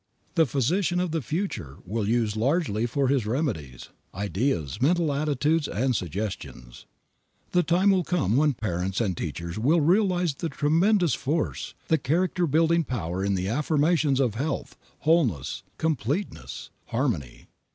The physician of the future will use largely for his remedies, ideas, mental attitudes, and suggestions. The time will come when parents and teachers will realize the tremendous force, the character building power in the affirmation of health, wholeness, completeness, harmony.